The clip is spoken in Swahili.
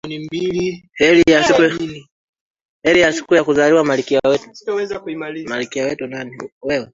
kheri ya siku ya kuzaliwa malkia wetu